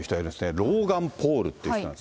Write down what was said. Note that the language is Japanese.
ローガン・ポールという人なんですが。